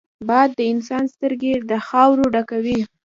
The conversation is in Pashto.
باد د انسان سترګې د خاورو ډکوي